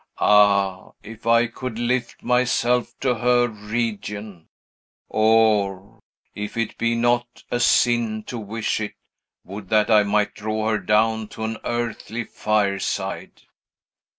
Ah, if I could lift myself to her region! Or if it be not a sin to wish it would that I might draw her down to an earthly fireside!"